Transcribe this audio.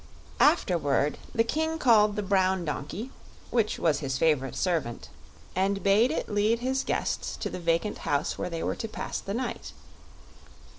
Afterward the King called the brown donkey, which was his favorite servant, and bade it lead his guests to the vacant house where they were to pass the night.